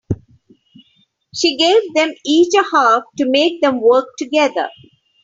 She gave them each a half to make them work together.